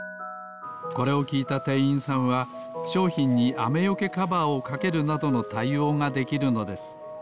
これをきいたてんいんさんはしょうひんにあめよけカバーをかけるなどのたいおうができるのです。